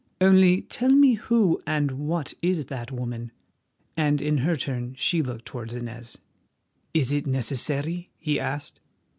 "Only tell me who and what is that woman?" and in her turn she looked towards Inez. "Is it necessary?" he asked.